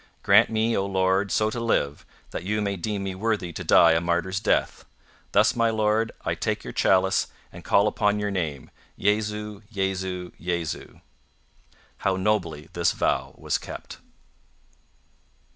Grant me, O Lord, so to live, that You may deem me worthy to die a martyr's death Thus my Lord, I take Your chalice, and call upon Your name. Jesu! Jesu! Jesu!' How nobly this vow was kept.